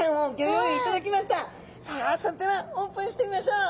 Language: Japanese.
それではオープンしてみましょう！